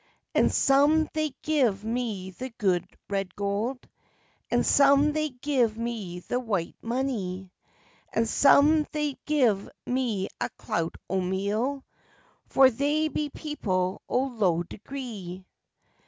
"And some they give me the good red gold, And some they give me the white money, And some they give me a clout o' meal, For they be people o' low degree.